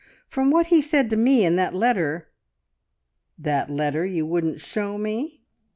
From what he said to me in that letter " "That letter you wouldn't show me?"